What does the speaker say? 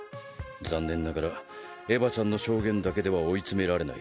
残念ながらエヴァちゃんの証言だけでは追い詰められない。